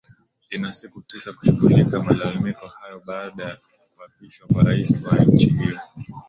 ina siku tisa kushughulikia malalamiko hayo baada kuapishwa kwa rais wa nchi hiyo